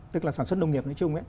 tức là sản xuất nông nghiệp nói chung